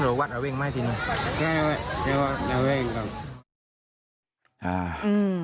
แล้วผมเป็นเพื่อนกับพระนกแต่ผมก็ไม่เคยช่วยเหลือเสียแป้ง